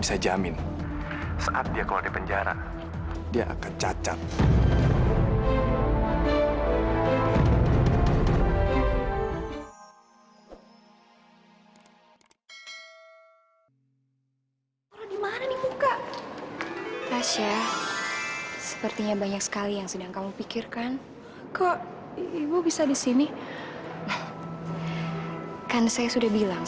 sepertinya khawatir tentang penampilan kamu malam ini kan